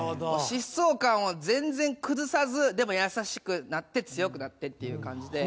疾走感を全然崩さずでも優しくなって強くなってっていう感じで。